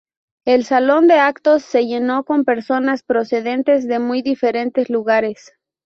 El salón de actos se llenó con personas procedentes de muy diferentes lugares.